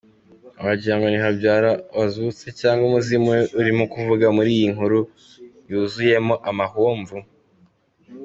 Wagirango ni Habyara wazutse cyangwa umuzimu we urimo kuvuga muri iyi nkuru yuzuyemo amahomvu!